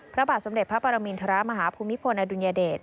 พระบาทสมเด็จพระปรมินทรมาฮภูมิพลอดุลยเดช